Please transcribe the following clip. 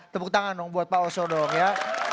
tepuk tangan dong buat pak oso dong ya